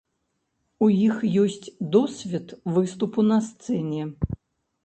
У іх ёсць досвед выступу на сцэне.